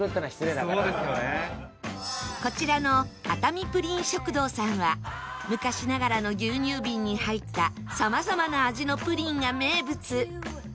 こちらの熱海プリン食堂さんは昔ながらの牛乳瓶に入ったさまざまな味のプリンが名物